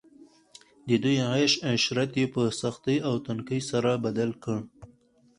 د دوی عيش عشرت ئي په سختۍ او تنګۍ سره بدل کړ